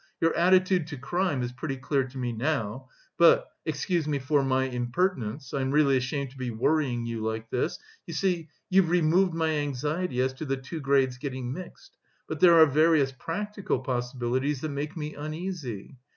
"Your attitude to crime is pretty clear to me now, but... excuse me for my impertinence (I am really ashamed to be worrying you like this), you see, you've removed my anxiety as to the two grades getting mixed, but... there are various practical possibilities that make me uneasy!